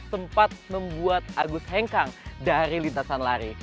sempat membuat agus hengkang dari lintasan lari